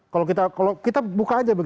kalau kita buka aja